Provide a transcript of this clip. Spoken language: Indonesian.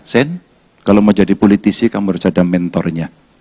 sen kalau mau jadi politisi kamu harus ada mentornya